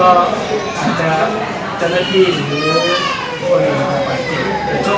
อาจจะทันทะกี้หรือโยน